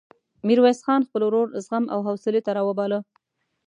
ميرويس خان خپل ورور زغم او حوصلې ته راوباله.